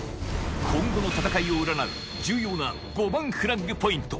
今後の戦いを占う重要な５番フラッグポイント